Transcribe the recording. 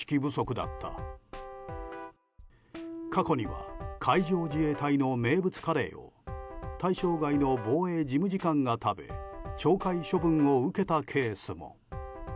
過去には海上自衛隊の名物カレーを対象外の防衛事務次官が食べ懲戒処分を受けたケースも。